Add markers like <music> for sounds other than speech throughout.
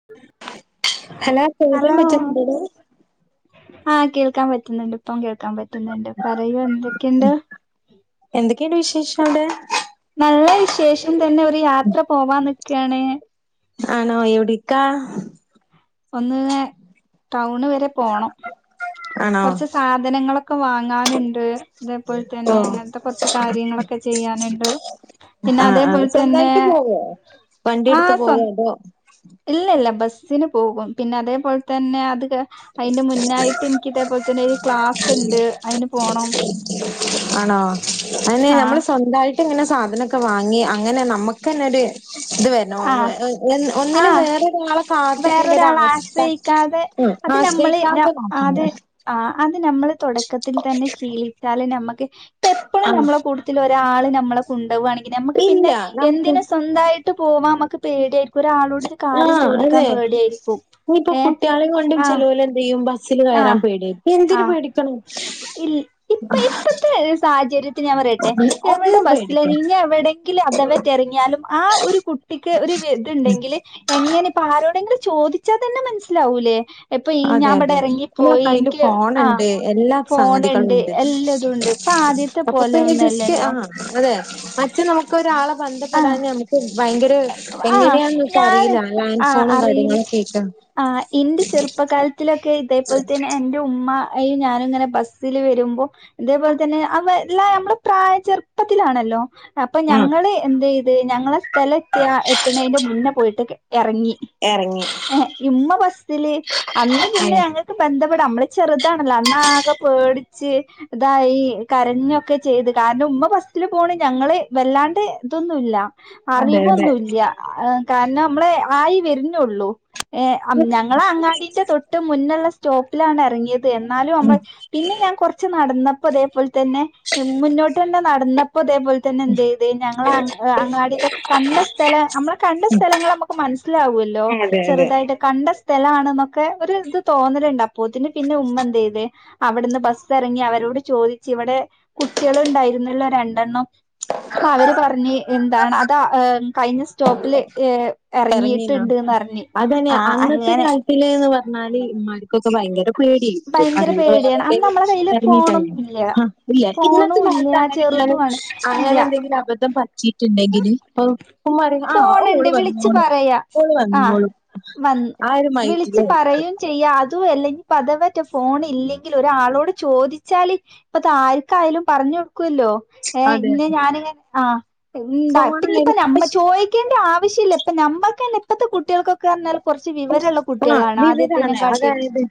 <inaudible> Hello കേൾക്കാൻ പറ്റുന്നില്ലടേ ആഹ് കേൾക്കാൻ പറ്റുന്നുണ്ട് ഇപ്പം കേൾക്കാൻ പറ്റുന്നുണ്ട് പറയൂ എന്തക്കയെണ്ട് എന്തക്കയെണ്ട് വിശേഷം അവിടെ നല്ല വിശേഷം തന്നെ ഒരു യാത്ര പോവാൻ നിക്കാണ്. ആണോ എവിടിക്കാ ഒന്ന് ടൗണ് വരെ പോണം ആണോ കൊറച്ച് സാധനങ്ങളൊ ക്കെ വാങ്ങാനെണ്ട് അതേപോലെ ഓ തന്നെ അങ്ങനത്ത കൊറച്ച് കാര്യങ്ങളൊക്കെ ചെയ്യാനെണ്ട്. ആഹ് ആഹ് സ്വന്തായിട്ട് പോവോ വണ്ടി ആ എടുത്ത് സ്വ പോവോ അതോ ഇല്ല ഇല്ല ബസ്സിന് പോകും പിന്നെ അതേപോലെ തന്നെ <unintelligible> അയിന്റെ മുന്നായിട്ട് ഇനിക്ക് ഇതേപോലെ തന്നെ ഒരു ക്ലാസ്സെണ്ട് അയിന് പോണം. ആണോ അതന്നെ ആ നമ്മള് സ്വന്തായി ട്ടിങ്ങനെ സാധനൊക്കെ വാങ്ങി അങ്ങനെ നമ്മക്കന്നെ ഒരു ഇത് വേ ണോ ആ വെ എഹ് ആ ഒന്നിനും വേറൊരാളെ. കാത്തിക്കേണ്ട ഒരു വേറൊരാളെ അവസ്ഥ ആശ്രയിക്കാതെ ഉം അത് നമ്മള് നൊ ആശ്രയിക്കാതെ നോക്കണേ അത്. ആഹ് അത് നമ്മള് തൊടക്കത്തിൽ തന്നെ ശീലിച്ചാല് നമ്മക്ക് ഇപ്പ എപ്പളും ആഹ് നമ്മള കൂട്ട ത്തിലൊരാള് നമ്മളെ കൊണ്ടോവാണെങ്കില് നമ്മക്ക് ഇല്ല പിന്നെ നമുക്ക് എന്തിന് സ്വന്തായിട്ട് പോവാമ്മക്ക് പേടിയായി ഒരാളോട് ഒരു കാര്യം ആഹ് ചോദി അതെ ഇഞ്ഞിപ്പ കുട്ട്യാളേം കൊണ്ടും ആഹ് ചെലോലെന്തെയ്യും ബ സ്സില് കയറാൻ ആഹ് പേടിയായ് എന്തിന് ആഹ് പേടിക്കണം സാഹചര്യത്തി ഞാൻ പറയട്ടെ എവിടെ ഒന്നും ബസ്സില പേടിക്കണ്ട ഇഞ്ഞി എവിടെങ്കിലും അഥവാ റ്റെറങ്ങിയാലും ആ ഒരു കുട്ടിക്ക് ഒരു വെ ഇതിണ്ടെങ്കില്. എങ്ങനെ ഇപ്പൊ ആരോടെങ്കിലും ചോദിച്ചാ തന്നെ മനസ്സിലാവൂല്ലേ എപ്പൊ ഈ ഞാൻ ഇവിടെ. അമ്മള ഇറങ്ങിപ്പോയി കയ്യില് എനിക്ക് ആഹ് ഫോണെണ്ട് എല്ലാ സംഗതികളും ഫോണുണ്ട് ഉണ്ട്. എല്ലാതും ഉണ്ട് ഇപ്പൊ ആദ്യത്തെ പോലെ അപ്പൊപ്പ ജസ്റ്റ് ഒന്നല്ലല്ലോ ആഹ് അതെ മറ്റെ നമുക്ക് ഒരാളെ ആഹ് ബന്ധപ്പെടാന് നമുക്ക്. ഭയങ്കര ആഹ് എങ്ങനെയാണ് ഞാൻ നമുക്കറില്ല ലാൻഡ് ആഹ് ഫോണും അറിയില്ല കാര്യങ്ങളും ഒക്കായിറ്റാ. ആഹ് ഇന്റെ ചെറുപ്പകാലത്തിലൊക്കെ ഇതേപോലെ തന്നെ എ ൻ്റുമ്മാ യും ഞാനു ഇങ്ങനെ ബസ്സില് വരുമ്പോ. ഇതേപോലെ തന്നെ അവ എല്ലാം നമ്മുടെ പ്രായ ചെറുപ്പത്തിലാണല്ലോ. അപ്പൊ ആ ഞങ്ങള് എന്തെയ്ത്, ഞങ്ങളെ സ്ഥലം എത്തിയാ എത്ത്ണേന്റെ മുന്നെ പോയിട്ട് എറങ്ങി. എറങ്ങി. ഏഹ് ഇമ്മ ബസ്സില് അന്ന് ഏ പിന്നെ ഞ ങ്ങക്ക് ബന്ധപ്പെടാം. നമ്മള് ചെറുതാണല്ലോ. അന്ന് ആകെ പേടിച്ച് ഇതായി കരഞ്ഞൊക്കെ ചെയ്ത് കാരണം ഉമ്മ ബസ്സിൽ പോണ്. ഞങ്ങള് വല്ലാണ്ട് ഇതൊന്നുല്ല. അതെ അറിം അതെ ല്ല്യ. കാരണം ഞമ്മള് ആയി വര്നൊള്ളൂ. ഏഹ് അതെ ഞങ്ങളെ അങ്ങാടിന്റെ തൊ ട്ട്മുന്നുള്ള സ്റ്റോപ്പിലാണ് എറങ്ങിയത്. എന്നാലും ഉം നമ്മൾ പിന്നെ ഞാൻ കൊറ ച്ച് നടന്നപ്പോ ഇതേപോല് തന്നെ മുന്നോട്ടെന്നെ നടന്നപ്പോ ഇതേപോല് തന്നെ എന്തെയ്ത് ഞങ്ങളെ അങ് അങ്ങാടി ഇതൊക്കെ കണ്ട സ്ഥലം നമ്മള കണ്ട സ്ഥലങ്ങൾ നമുക്ക് മനസ്സിലാവൊല്ലോ. അതെ അതെ ചെറുതായിട്ട് കണ്ട സ്ഥലാണെന്നൊക്കെ ഒരു ഇത് തോന്നല്ണ്ട്. അപ്പോത്തിന് പിന്നെ ഉമ്മ എന്തെയ്ത്, അവിടുന്ന് ബസ് എറങ്ങി അവരോട് ചോദിച്ചു. ഇവടെ കുട്ട്യേള് ഇണ്ടായിരുന്നല്ലോ രണ്ടെണ്ണം. അപ്പവര് പറഞ്ഞ് എന്താണ് അതാ കഴിഞ്ഞ സ്റ്റോപ്പില് ഏഹ് എറങ്ങീനാ എറങ്ങിയിട്ട്ണ്ട്ന്ന് പറഞ്ഞ്. ആഹ് അങ്ങനെ. സ്സില് ന്ന് പറഞ്ഞാല് ഇമ്മാര്ക്കൊക്കെ ഭയങ്കരം പേടിയായിരിക്കും. ഭയങ്കര അറിയാണ്ട് വേറെ പേടിയാണ് അന്ന് നമ്മളെ കയ്യില് എവടെങ്കിലും എറങ്ങി കയിഞ്ഞാ. ഫോണൊന്നുംല്ല ആഹ് ഇല്ല ഇന്നത്തെ ഫോണും ഇല്ല കാലത്ത് അങ്ങനെ എന്തേലും ചെറുതുമാണ് ഇല്ല അങ്ങനെ എന്തെങ്കിലും അബദ്ധം പറ്റിട്ടുണ്ടെങ്കില് അപ്പൊ ഉമ്മ പറയും ആഹ് ഓള് വ ച്ച് പറയാ. ആഹ് വന്ന്, ആ ഒരു വിളിച്ച് മൈൻഡിലായിരിക്കും. പറയും ചെയ്യാ. അതു അല്ലെങ്കി ഇനിപ്പ അഥവാറ്റെ ഫോൺ ഇല്ലെങ്കിൽ ഒരാളോട് ചോദിച്ചാല് ഇപ്പതാര്ക്കായാലും പറഞ്ഞു കൊടുക്കൊല്ലോ. അതെ ഇന്ന അതെ ഞാനിങ്ങെ, ആഹ് ഇണ്ടാ. ഇപ്പഞ്ഞ് ഇപ്പോ ഫോണായാലും ഞമ്മ ചോയിക്കേണ്ട ആവശ്യല്ല. ഇപ്പം ഞമ്മക്കെന്നെ ഇപ്പത്തെ കുട്ട്യേൾക്കൊ ക്കെ പറഞ്ഞാൽ കൊറച്ച് വിവരള്ള കുട്ട്യേളാണ് ആദ്യത്തേനെ കാട്ടിം. അതെ.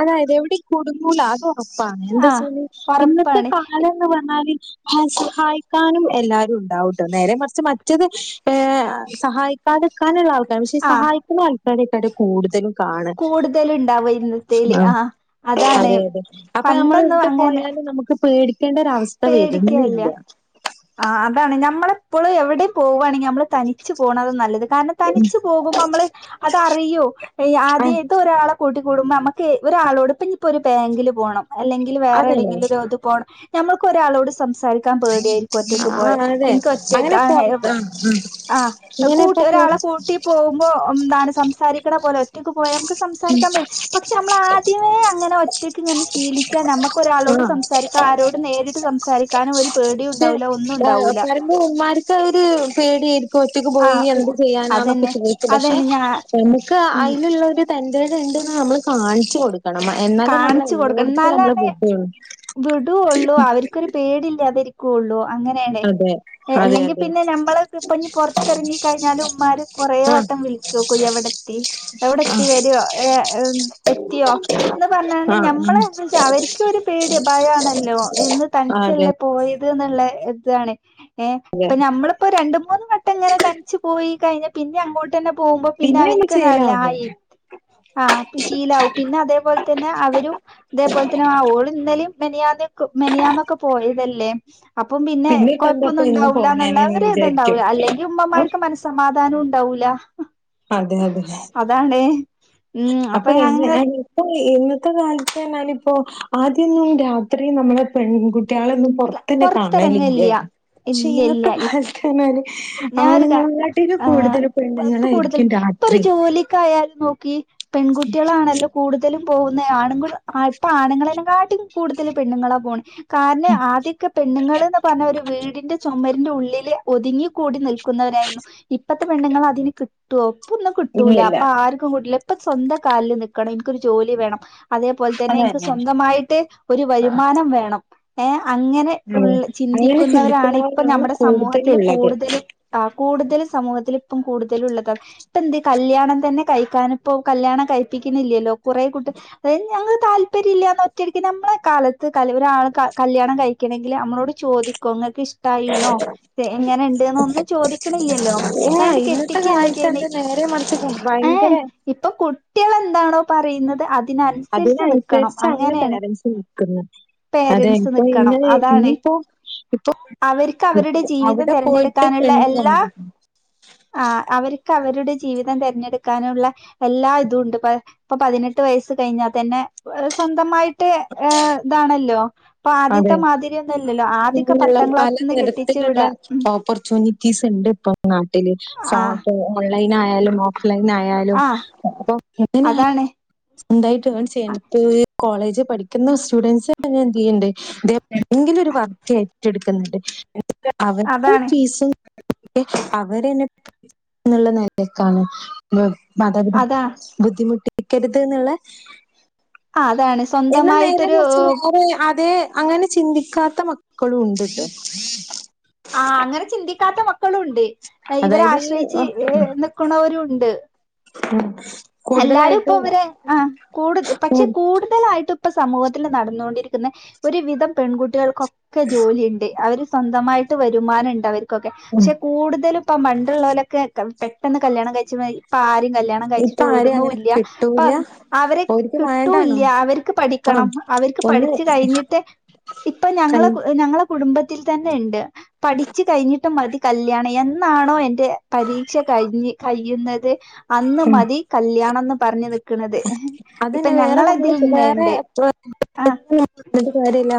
അതായത് എവിടിം കുടുങ്ങൂല അത് ഒറപ്പാണ്. എന്താ ആഹ് വച്ചാല് ഇന്നത്തെ ഒറപ്പാണ് കാലം ന്ന് പറഞ്ഞാല് ഹാ സഹായിക്കാനും എല്ലാരും ഉണ്ടാവുട്ടൊ. നേരെ മറിച്ച് മറ്റത് ഏഹ് സഹായി ക്കാതെ നിക്കാനുള്ള ആൾക്കാരാ. പക്ഷെ ആഹ് സഹായിക്ക്ണ ആൾക്കാരെക്കാട്ടി കൂടുതലും ക്കാണ്. കൂടുതലുണ്ടാവ ഇന്നത്തേല് ആഹ് അതാണ് അതെ അതെ. അപ്പൊ നമ്മൾ പണ്ടൊന്നും എവിടെ അങ്ങനെ പോയാലും നമു ക്ക് പേടിക്കേണ്ട ഒരവസ്ഥ പേടിക്കല്ലേ വരുന്നില്ല. ആഹ് അതാണ്. ഞമ്മളെപ്പളും എവിടിം പോവാണെങ്കി നമ്മള് തനിച്ചു പോണതാ നല്ലത്. കാരണം തനിച്ചു പോകുമ്പം നമ്മള് അത് അറിയു. ഈ ആ ആദ്യ ഇത് ഒരാളെ കൂട്ടിക്കൂടുമ്പോ നമക്ക് ഒരാളോട് ഇപ്പം ഇഞ്ഞ്പ്പോ ഒരു ബാങ്കില് പോണം. അല്ലെ ങ്കിൽ വേറെ അതെ എവ്ടെങ്കിലും ഒരു ഇത് പോണം. നമ്മൾക്ക് ഒരാളോട് സംസാരിക്കാൻ പേടിയായിരി ക്കു ഒറ്റക്ക് പോയാ. ആ അതെ ഇന്ക്ക് അങ്ങനെ ഒറ്റക്കാണ് പൊറത്ത് വെ ആ ആഹ് ഇങ്ങനെ കൂട്ടി ഇപ്പൊ പൊറ ഒരാളെ കൂട്ടി പോവുമ്പോ എന്താണ് സംസാരിക്കണ പോലെ ഒറ്റയ്ക്ക് പോയാ നമുക്ക് സംസാരിക്കാൻ പേട്യാ. പക്ഷെ നമ്മൾ ആദ്യമേ അങ്ങനെ ഒറ്റക്ക് ഇങ്ങനെ ശീലിച്ചാ നമക്ക് ഒരാളോട് ആ സംസാരി ക്കാ ആരോടും നേരിട്ട് സംസാരിക്കാനും ഒരു പേടിയു പക്ഷെ എഹ് പറയ്മ്പൊ ഉമ്മാര്ക്ക് അതൊരു പേടിയായിരി ക്കും. ഒറ്റക്ക് പോയി ആഹ് ഉ എന്ത് ചെയ്യാനാന്നൊക്കെ അതന്നെ ചോയിക്കും. പക്ഷെ അതന്നെ ഞാ നമുക്ക് ഉം അയ്ന്ള്ള ഒരു തൻ്റേടം ഇണ്ട്ന്നാ നമ്മള് കാണിച്ചു കൊട് ക്കണം. എന്നാലേ നമ്മളെ കാണിച്ചു കൊടുക്കണം എല്ലോട്ത്ത്ക്കും നമ്മളെ എന്നാലാണ് വിടൊള്ളു. പേടില്ലാതി ഇരിക്കുകയുള്ളൂ അങ്ങനെയണ. അതെ അതെ അല്ലെങ്കിൽ അതെ പിന്നെ നഞമ്മള് ഇപ്പ ഇഞ് പുറത്തിറങ്ങിിക്കഴിഞ്ഞാലും ഉമ്മാര് കുറേ ആ വട്ടം വിളിക്കും <unintelligible> എവിടെത്തി. എവിടെത്തി വരുയോ എത്തിയോ എന്ന് പറഞ്ഞണ്ട് ആ ഞമ്മളെ അവർക്ക് ഒരു പേടി. ഭയമാണല്ലോ. എന്ന് ആ അതെ തനിച്ചല്ല പോയത് എന്നുള്ള ഇതാണ് ഏഹ ഇപ്പൊ നമ്മള് ഇപ്പൊ രണ്ടു മൂന്ന് വെട്ടം ഇങ്ങനെ തനിച്ചു പോയി കഴിഞ്ഞാപിന്നെ അങ്ങോട്ട് തന്നെ പോകുമ്പോ പിന്നെ ഒന്ന് അവർക്ക്ന്താണല്ല ചേലാവും ആയി ആഹ ശീലാവും പിന്നെ അതേപോലെ പിന്നെ അവരും ഇതേപോലെ തന്നെ ഓൾ ഇന്നലെയും മെനഞ്ഞാനൊക്കെ മെനഞ്ഞാന്നൊക്കെ പോയതല്ലേ അപ്പം പിന്നെ ഇപ്പ കൊഴപ്പം ഒന്നും എന്താപ്പ ഇന്ന് ഉണ്ടാവില്ല പോണേന്ന് എന്നുള്ളവര് ഇത്ണ്ടാവൂ. വിചാരിക്കും അല്ലെങ്കിൽ ഉമ്മമാർക്ക് മന സമാധാനം ഉണ്ടാവൂല. അതെ അതെ അതാണ് ഉം അപ്പൊ ഞാനിങ്ങനെ ഇന്നത്തെകാലത്ത് ഞാനിപ്പോ ആദ്യ ഒന്നും രാത്രി നമ്മള് പെൺകുട്ടികളൊന്നു പുറത്തു തന്നെ കാണല് ഇല്ല. പൊറത്തിറങ്ങലില്ല ഇല്ല പക്ഷേഇന്നത്തെ ഇല്ല കാല ല് ഞാനൊരു കാര്യം ആണുങ്ങളെ കാട്ടിലും ആഹ് കൂടുതൽ പെണ്ണുങ്ങളായിരിക്കും രാത്രി ട്ടായാലും നോക്കി പെൺകുട്ടികളാണല്ലോ കുടുതലുംപോകുന്നത്. ആണുങ്ങൾ ഇപ്പ ആണുങ്ങളേെക്കാട്ടിലും പെണ്ണുങ്ങളാ പോണേ. കാരണം ആദ്യം ഒക്കെ പെണ്ണുങ്ങൾ എന്ന് പറഞ്ഞാ ഒരു വീടിന്റെ ചുമരിന്റെ ഉള്ളില് ഒതുങ്ങി കൂടി നിൽ ക്കുന്നവരായിരുന്നു. ഇപ്പത്തെ പെണ്ണുങ്ങൾ അതിന് കിട്ടുവോ ഇപ്പ ഒന്നും കിട്ടൂല ഇല്ലില്ല ഇപ്പൊ ആർക്കും കൂടുതല ഇപ്പൊ സ്വന്തം കാലിൽ നിൽക്കണം എനിക്കൊരു ജോലി വേണം അതേപോലെ തന്നെ എനിക്ക് അതന്നെ സ്വന്തമായിട്ട് ഒരു ആഹ് വരുമാനം വേണം. ഏഹ അങ്ങനെ അതെ ഉള്ള അങ്ങനെ ചിന്തിക്കുന്നവരാണ് ഇപ്പ ചിന്തിക്കുന്നവരാണ് നമ്മുടെ സമൂഹത്തിൽ കൂടുതലുള്ളത് കൂടുതൽ ആഹ കൂടുതൽ സമൂഹത്തിൽ ഇപ്പം കൂടുതലുള്ളത്. ഇപ്പന്ത് കല്യാണം തന്നെ കഴിക്കാനിപ്പോ കല്യാണം കഴിപ്പിക്കുന്നില്ലല്ലോ? കുറെ കൂട്ട് അതായത് ഞങ്ങള് താല്പര്യം താല്പര്യം ഇല്ലാന്ന് ഒറ്റയ്ടിക്ക് നമ്മളെ കാലത്ത് ഒരാൾ കല്യാണം കഴിക്കണെങ്കിൽ നമ്മളോട് ചോദിക്കും നിങ്ങക്ക് ഇഷ്ടം തായിണോ എങ്ങനെ ഒന്നും ചോദിക്കണില്ലല്ലോ. ഏഹ് ഇതാണ്ട് ഇന്നത്തെ കാലത്ത് കെട്ടിക്കയല്ലേചെയ്യുന്നേ. എന്താ നേരെ മറിച്ച് ഏഹ ഭയങ്കര ഇപ്പൊ കുട്ടികൾ എന്താണോ പറയുന്നത് അ അതിനനുസരിച്ച് നിക്കണം അതിനനുസരിച്ചാണ് അങ്ങനെയാണ്. പേരൻറ്സ് നിക്കുന്നെ അതെ പേരൻസ് ഇപ്പൊ നിക്കണം ഇന്ന് അതാണ്. ഇനിയിപ്പോ ഇപ്പൊ അവർക്ക് അവരുടെ ജീവിതം അവിടെ പോയിട്ട് തിരഞ്ഞെടുക്കാന് നുള്ള പെണ്ണ് എല്ലാ കണ്ടെത്തണം ആഹ അവർക്ക് അവരുടെ ജീവിതം തിരഞ്ഞെടുക്കാനുള്ള എല്ലാ ഇതും ഉണ്ട്. ഇപ്പൊ പതിനെട്ട് വയസ്സ് കഴിഞ്ഞാൽ തന്നെ സ്വന്തമായിട്ട് ഏഹ ഇതാണല്ലോ? അപ്പൊ അതെ. ആദ്യത്തെ മാതിരിയൊന്നുംല്ലല്ലോ ആദ്യംഒക്കെ ഇങ്ങനെയുള്ള പത്താം ക്ലാസ് നിന്ന് കെട്ടിച്ച് പലതരത്തിലുള്ള വിടുക. ഉം ഓപ്പർച്യൂണിറ്റീസ് ഉണ്ട് ഇപ്പ നാട്ടിൽ. ആഹ് ഫോട്ടോ ഓൺലൈൻ ആയാലും ഓഫ് ലൈൻആയാലും ആഹ് ഇപ്പോ എതി അതാണ് എന്തായിട്ട് ഏൺ ചെയ്യുന്നു. ഇപ്പ ഈ കോളേജ് പഠിക്കുന്ന സ്റ്റുഡൻറ്സ് തന്നെ എന്ത് ചെയ്യുന്നുണ്ട് തേ എന്തെങ്കിലും ഒരു വർക്ക് ഏറ്റെടുക്കുന്നുണ്ട്. അവരുടെ അതാണ് ഫീസും <unintelligible> അവര് <unintelligible> നിലക്കാണ് അതാ മാതാപിതാക്കളെ ബുദ്ധിമൂട്ടിക്കരുത്എന്നുള്ള ആഹ് അതാണ് ഇന്ന് നേരെ സ്വന്തമായിട്ടൊരു മറിച്ച് വേറെ അതെ അങ്ങനെ ചിന്തിക്കാത്ത മക്കളും ഉണ്ട്ട്ടോ. ആഹ അങ്ങനെ ചിന്തിക്കാത്ത മക്കളും ഉണ്ട്. ഇവരെ അതായത് ഈ ആശ്രയിച്ച് ഏഹ നിക്കുന്നവരും ഉണ്ട്. ഉം എല്ലാരും ഇപ്പ കൂടുതലായിട്ടും ഇവരെ ആഹ് കൂടുത പക്ഷെ ഉം കൂടുതലായിട്ടും ഇപ്പ സമൂഹത്തിൽ നടന്നുകൊണ്ടിരിക്കുന്ന ഒരുവിധം പെൺകുട്ടികൾക്കൊക്കെ ജോലിയുണ്ട് അവര് സ്വന്തമായിട്ട് വരുമാനം ഉണ്ടവര് ക്കൊക്കെ ഉം പക്ഷെ കൂടുതലും ഇപ്പ പണ്ടുള്ളവർകൊക്കെ പെട്ടെന്ന് കല്യാണം കഴിച്ചതായി ഇപ്പ ആരു കല്യാണം ഇപ്പൊ കഴിച്ചിട്ട് ആരേം വിടുന്നു അങ്ങനെ ഇല്ല. കിട്ടൂല ഇപ്പം അവരെ ഓര്ക്ക് കിട്ടു ഇല്ല വേണ്ടാണും അവർക്ക് പഠി ക്കണം ആഹ് അവർക്ക് ഒന്ന് പഠിച്ചു കഴിഞ്ഞിട്ട് ഇപ്പ കൽ ഞങ്ങളെ ഞങ്ങള് കുടുംബത്തിൽ തന്നെഇണ്ട് പഠിച്ച്കയ്ഞ്ഞിട്ട് മതി കല്യാണം എന്നാണോ എന്റെ പരീക്ഷ കഴിഞ്ഞ് കയിയുന്നത് അന്ന് മതി കല്യാണംന്ന് പറഞ്ന്നിക് അതെന്നെ വേറെ നമ്മള് തന്നെ വേറെ ഉണ്ട് ആ <unintelligible> കാര്യല്ല.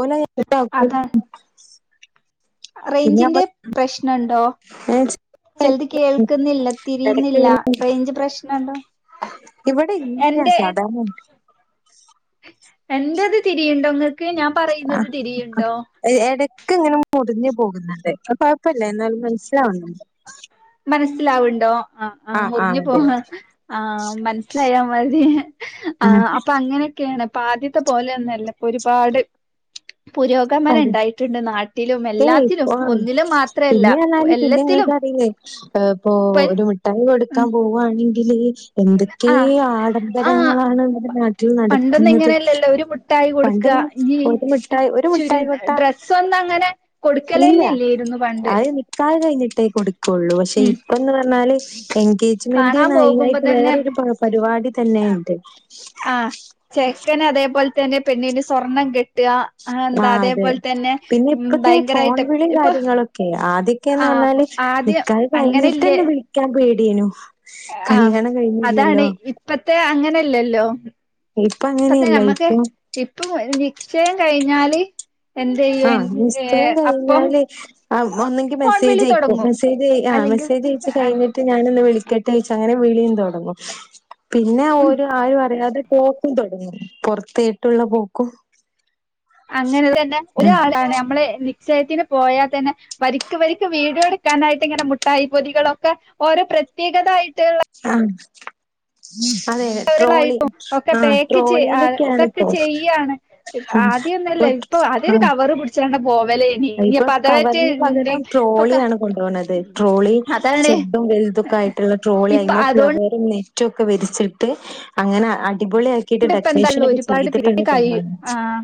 ഓല് എല്ല <unintelligible> റെയ്ഞ്ചിന്റെ നമ്മള് പ്രശ്നണ്ടോ? ചെൽത് കേൾക്കുന്നില്ല എടക്ക് തിരിയുന്നില്ല റെയ്ഞ്ച് പ്രശ്നണ്ടോ? ഇവടെ ഇല്ലാ സാധാരണ എന്റെത് തിരിയ്ണ്ടോ ഇങ്ങക്ക് ഞാൻ പറയുന്നത് തിരിയ്ണ്ടോ? എഹ് എടെയ്ക്ക് ഇങ്ങെനെ മുറിഞ് പോകുന്നുണ്ട് കുഴപ്പല്ല എന്നാലും മനസ്സിലാവുന്നുണ്ട്. മനസ്സിലാവ്ണ്ടോ ആഹ് ആഹ് മുറിഞ്പോവാ ആഹ് മനസ്സിലായമതി ഉം ആഹ് അപ്പൊ അങ്ങനെയൊക്കെയാണ് ഇപ്പ ആദ്യത്തെ പോലൊന്നുല്ലപ്പൊ ഒരുപാട് പുരോഗമനം അതെ ഇണ്ടായിട്ടുണ്ട് നാട്ടിലും ഏയ് എല്ലാത്തിലും ആഹ് ഒന്നിലും മാത്രല്ല എല്ലത്തിലും. ഏഹ് ഇപ്പൊ ഇപ്പ ഒരുമിഠായി ഉം കൊടുക്കാൻ പോവാണെങ്കില് എന്തൊക്കെ ആ ആ ആഡംബരങ്ങളാണ് ന്നാ ട്ടില് പണ്ടൊന്നും നടക്ക്ന്നത് ഇങ്ങനെയല്ലല്ലോ ഒരു മുട്ടായി കൊടുക്ക പണ്ട്ങ് ഇനി ഒരുമിട്ടായി ഒരുമി ചുരി ട്ടായി കൊട്ട ഡ്രസ്സൊന്നും അങ്ങനെ ഇല്ല കൊടുക്കലന്നെ ഇല്ലേരുന്നു പണ്ട് അഹ് നിക്കാഹ് കഴിഞ്ഞിട്ടേ കൊട്ക്കൊള്ളു പക്ഷെ ഉം ഇപ്പംന്ന് പറഞ്ഞാല് എങ്കെ ജ്മെന്റ് കാണാൻ പോകുമ്പോ അയ്നായിട്ട് വേറൊരു തന്നെ പ പരിപാടി തന്നെണ്ട്. ചെക്കെന് അതേപോല് തെന്നെ പെണ്ണിന് സ്വർണ്ണം കെ ആഹ് അതെ പിന്നെ ഉം ഇപ്പത്തെഈ ഫോൺ ഭയങ്കരായിട്ട് വിളി ഇപ്പൊ കാര്യങ്ങളൊക്കെ ആദ്യ ക്കെന്ന് ആഹ് പർഞ്ഞാല് ആദ്യം നിക്കാഹ് അങ്ങനെല്ലേ കഴിഞ്ട്ടെന്നെ വിളിക്കാൻ പേടിയെനു ആഹ് കല്ല്യാണം കഴിഞ്ഞീല്ലല്ലോ. അതാണ് ഇപ്പത്തെ അങ്ങനെഅല്ലല്ലോ ഇപ്പൊ ഇപ്പത്തെ അങ്ങനെയല്ല. നമ്മക്ക് ഇപ്പൊ ഇപ്പം നിശ്ചയം കഴിഞ്ഞാല് എന്ത് ചെയ്യും ആഹ് നിശ്ചയം ഏഹ് അപ്പം കഴിഞ്ഞാല് ആഹ് ഉമ്മ ഒന്നെങ്കി ഫോൺ മെസ്സേജ് വിളി അയക്കും തൊടങ്ങും മെസ്സ് മെസ്സേജ് ആ അല്ലെങ്കിൽ മസ്സേജ്ച്ച് ആഹ് കഴിഞ്ഞിട്ട് ഞാനൊന്ന് വിളിക്കട്ടെ ഓയ്ച്ച് അങ്ങനെ വിളി തൊട്ങ്ങും പിന്നെ ഓര് ആരും അറിയാതെ പോക്കും തൊട്ങ്ങും പൊർത്തേട്ടുള്ള പോക്കും അങ്ങെനെ തന്നെ ഉം ഒരാളാണ് ഞമ്മള് നിശ്ചയത്തിന് പോയാൽ തന്നെ വരിക്ക് വരിക്ക് വീടിയോട് എടുക്കാനായിട്ട് ഇങ്ങെനെ മുട്ടായിപൊതികളൊക്കെ ഓരോ പ്രത്യേകതായിട്ട് ആഹ് അതെ ട്രോളി കവറുകളായിട്ടും ഒക്കെ ആഹ് പാക്ക് ട്രോളിയിലൊക്കെയാണിപ്പോ ആദ്യന്നുല്ല ഇപ്പൊ ആദ്യ ഒര് ആഹ് കവറ് പിടിച്ചോണ്ട് പോവെലെ ഇപ്പൊ കവറിന് പകരം ക ട്രോളിയാണ് കൊണ്ടോവ്ണത് ട്രോളി അതാണ് ചെർതും വെൽതൊക്കായിട്ട് ട്ട്ള്ള ട്രോളി ഇപ്പൊ ആയ്മ അതോണ്ട് ഫ്ലെവറും നെറ്റും ഒക്കെ വെൽച്ചിട്ട് അങ്ങെനെ അടിപൊളിയ ആക്കീട്ട് ഇപ്പ എന്താള്ളു ഡെക്കറേഷൻ ഒക്കെ ഒരുപാട് പിരീഡ് ചെയ്തിട്ടാണ് കഴി കൊണ്ടാവ ആഹ്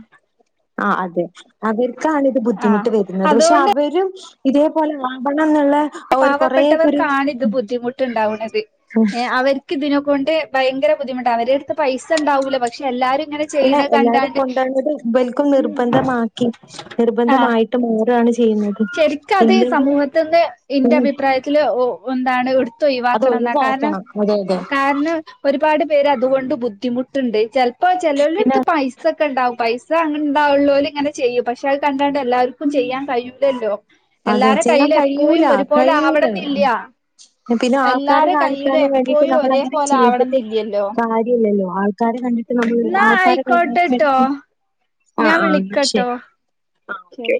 ആഹ് അതെ അവർക്കാക്കി ആഹ് ബുദ്ധിമുട്ട് വെര്ന്നത് പക്ഷെ അതോണ്ട് അവരും ഇതേപോലെ ആവണം എന്ന്ള്ളെ പാവപ്പെട്ടവർക്കാണ് ഇത് ബുദ്ധിമുട്ടുണ്ടാവ്ണത് ഏഹ് അവർ ക്കിതിനെ കൊണ്ട് ഭയങ്കെരെ ബുദ്ധിമുട്ടാ അവരെ അട്ത്ത് പൈസണ്ടാവില്ല പക്ഷെ എല്ലാരും ഇങ്ങെനെ അല്ല എല്ലാവരും കൊണ്ടോവ്ന്നത് ഇവൽക്കും നിർബന്ധമാക്കി നിർബന്ധമായിട്ട് മൂടാണ് ചെയ്യുന്നത്. സെരിക്ക അത് ഇല്ലെങ്കിൽ സമൂഹത്തിന്ന് ഇന്റെ ഉം അഭിപ്രായത്തില് ഒ എന്താണ് ഇട്ത്ത് ഒയ് വ അതൊയ് വാക്കണം അതെ അതെ. കാര്ണം ഒരുപാട് പേര് അതുകൊണ്ട് ബുദ്ധിമുട്ടുണ്ട് ചെൽപ്പോ പിന്നെ ചെലൊട്ത്ത് പൈസ് സ ഒക്കെ ഇണ്ടാവും പൈസ ഇണ്ടാവ് ഇല്ലോല് ഇങ്ങെനെ ചെയ്യും പക്ഷെ അത് കണ്ടാണ്ട് എല്ലാവർക്കും ചെയ്യാൻ കയ്യൂല്ലല്ലോ. അതെ എല്ലാര ചെയ്യാൻ കയ്യിലും കഴിയൂല എപ്പോയും ഒരുപോലെ കഴിയൂല. ആവണം എന്നില്ല. പിന്നെ എല്ലാര ആൾക്കാരെ കയ്യിലും കാണിക്കാനും വേണ്ടിയിട്ട് എപ്പോയും ഒരേ നമ്മളങ്ങനെ പോലെ ആവണം ചെയ്തിട്ട് നില്ലല്ലോ കാര്യമില്ലല്ലോ. ആൾക്കാരെ കണ്ടിട്ട് നമ്മള് ഇന്നാ ആൾക്കാരെ കൈകാര്യം ആയിക്കോട്ടട്ടോ വേണ്ടിയിട്ട് ആ ഞാൻ ആ എന്നാ വിളിക്കട്ടോ ശരി. ശരി